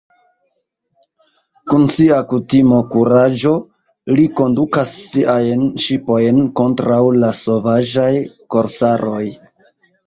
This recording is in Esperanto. Kun sia kutima kuraĝo li kondukas siajn ŝipojn kontraŭ la sovaĝaj korsaroj.